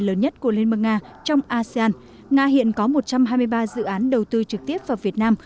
lớn nhất của liên bang nga trong asean nga hiện có một trăm hai mươi ba dự án đầu tư trực tiếp vào việt nam